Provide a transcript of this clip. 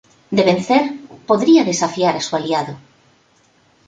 De vencer, podría desafiar a su aliado.